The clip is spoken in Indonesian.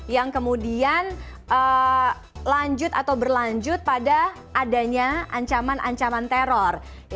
yang kemudian lanjut atau berlanjut pada adanya ancaman ancaman teror